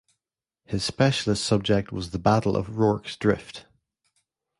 His specialist subject was the Battle of Rorke's Drift.